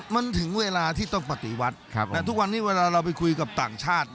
มันถึงเวลาที่ต้องปฏิวัติแต่ทุกวันนี้เวลาเราไปคุยกับต่างชาติ